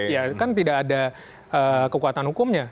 ya kan tidak ada kekuatan hukumnya